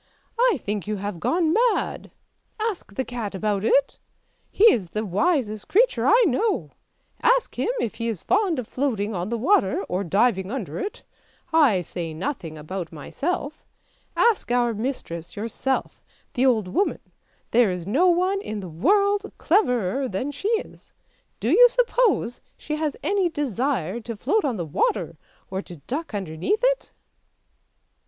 I think you have gone mad. Ask the cat about it, he is the wisest creature I know; ask him if he is fond of floating on the water or diving under it. I say nothing about myself. Ask our mistress yourself, the old woman, there is no one in the world cleverer than she is. Do you suppose she has any desire to float on the water, or to duck underneath it?